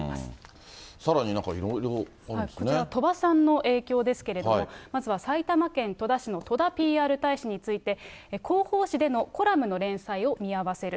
さらになんかいろいろあるんこちら、鳥羽さんの影響ですけれども、まずは埼玉県戸田市のとだＰＲ大使について、広報誌でのコラムの連載を見合わせる。